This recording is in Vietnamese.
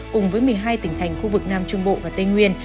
cùng với một mươi hai tỉnh thành khu vực nam trung bộ và tây nguyên